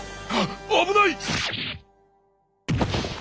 危ない！